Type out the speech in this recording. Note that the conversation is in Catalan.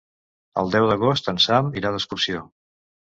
El deu d'agost en Sam irà d'excursió.